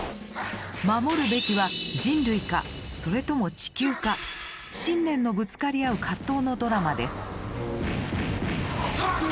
守るべきは人類かそれとも地球か信念のぶつかり合う葛藤のドラマです。